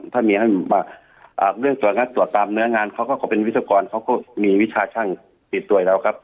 ถ้ามีบางเรื่องของตัวงานตรวจตามเนื้องานเค้าก็เป็นวิทยากรเขาก็มีวิชาช่างติดตัวไว้แล้วครับ